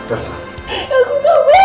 aku gak mau